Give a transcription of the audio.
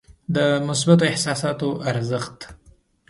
د مثبتو احساساتو ارزښت.